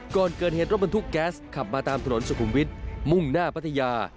ก่อนเกิดเหตุรถบรรทุกแก๊สขับมาตามถนนสุขุมวิทย์มุ่งหน้าพัทยา